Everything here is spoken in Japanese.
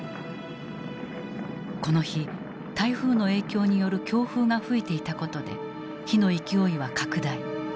この日台風の影響による強風が吹いていたことで火の勢いは拡大。